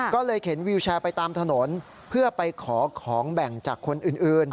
ก็เลยเข็นวิวแชร์ไปตามถนนเพื่อไปขอของแบ่งจากคนอื่น